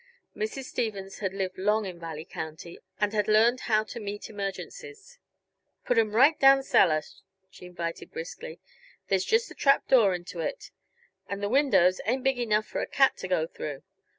Mrs. Stevens had lived long in Valley County, and had learned how to meet emergencies. "Put 'em right down cellar," she invited briskly. "There's just the trap door into it, and the windows ain't big enough for a cat to go through.